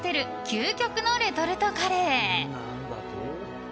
究極のレトルトカレー。